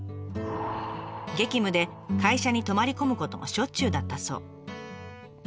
激務で会社に泊まり込むこともしょっちゅうだったそう。